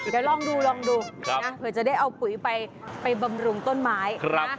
เดี๋ยวลองดูเผื่อจะได้เอาปุ๋ยไปบำรุงต้นไม้